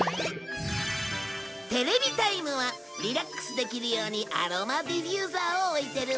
テレビタイムはリラックスできるようにアロマディフューザーを置いてるんだ。